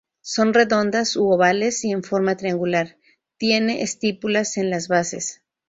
Son redondas u ovales y en forma triangular, tiene estípulas en las bases.